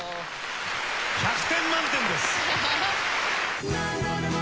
１００点満点です！